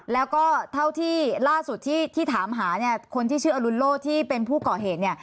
แล้วก็เท่าที่ล่าสุดที่ถามหาเนี่ยคนที่ชื่ออรุณโลที่เป็นผู้ก่อเหตุเนี่ย